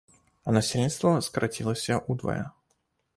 А насельніцтва скарацілася ўдвая!